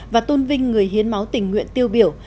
và tôn vinh người hiến máu tình nguyện tiêu biểu